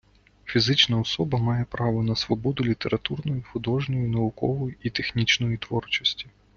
Фізична особа має право на свободу літературної, художньої, наукової і технічної творчості.